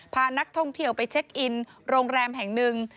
พานักท่องเที่ยวไปเช็คอินโรงแรมแห่งหนึ่ง